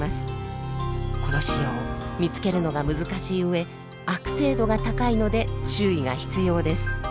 この腫瘍見つけるのが難しい上悪性度が高いので注意が必要です。